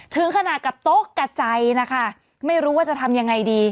ถึงขนาดกับโต๊ะกระใจนะคะไม่รู้ว่าจะทำยังไงดี